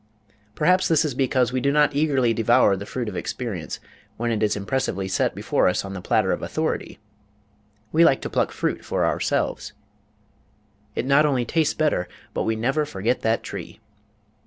Perhaps this is because we do not eagerly devour the fruit of experience when it is impressively set before us on the platter of authority; we like to pluck fruit for ourselves it not only tastes better, but we never forget that tree!